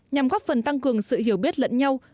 nhằm góp phần tăng cường sự hiểu biết lẫn nhau